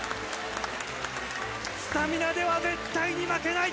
スタミナでは絶対に負けない！